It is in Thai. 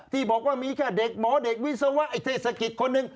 ที่บอกว่ามีแค่เด็กหมอเด็กวิศวะไอ้เทศกิจคนหนึ่ง